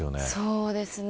そうですね。